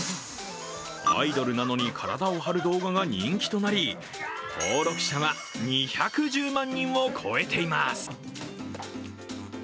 アイドルなのに体を張る動画が人気となり登録者は２１０万人を超えています。